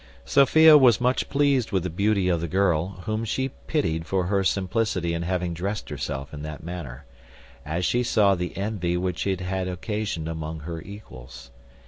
Sophia was much pleased with the beauty of the girl, whom she pitied for her simplicity in having dressed herself in that manner, as she saw the envy which it had occasioned among her equals.